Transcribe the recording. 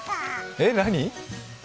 えっ、何？